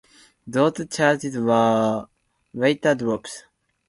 Those charges were later dropped.